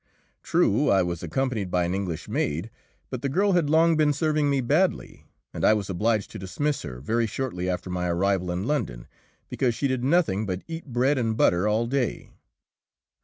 True, I was accompanied by an English maid, but the girl had long been serving me badly, and I was obliged to dismiss her very shortly after my arrival in London, because she did nothing but eat bread and butter all day.